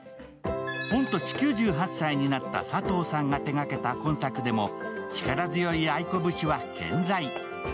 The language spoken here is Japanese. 御年９８歳になった佐藤さんが手掛けた今作でも力強い愛子節は健在。